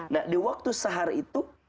nah di waktu sahar itu